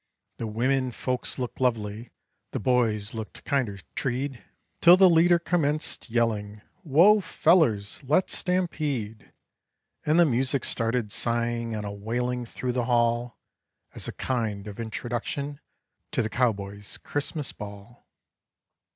The wimmen folks looked lovely the boys looked kinder treed, Till the leader commenced yelling, "Whoa, fellers, let's stampede," And the music started sighing and a wailing through the hall As a kind of introduction to the Cowboy's Christmas Ball.